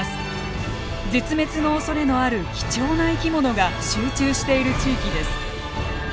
絶滅のおそれのある貴重な生き物が集中している地域です。